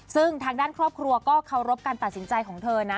ซึ่งทางด้านครอบครัวก็เคารพการตัดสินใจของเธอนะ